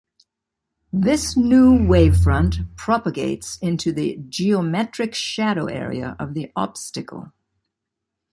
This new wavefront propagates into the geometric shadow area of the obstacle.